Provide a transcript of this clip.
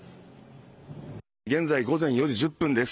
現在、午前４時１０分です。